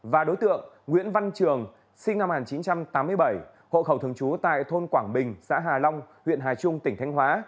và đối tượng nguyễn văn trường sinh năm một nghìn chín trăm tám mươi bảy hộ khẩu thường trú tại thôn quảng bình xã hà long huyện hà trung tỉnh thanh hóa